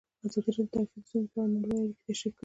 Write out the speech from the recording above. ازادي راډیو د ټرافیکي ستونزې په اړه نړیوالې اړیکې تشریح کړي.